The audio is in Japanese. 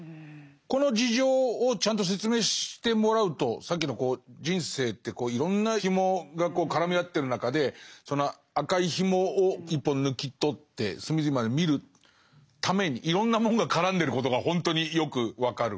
この事情をちゃんと説明してもらうとさっきのこう人生っていろんな紐がこう絡み合ってる中でその赤い紐を１本抜き取って隅々まで見るためにいろんなもんが絡んでることがほんとによく分かる。